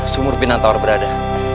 sumur pinang tawar berada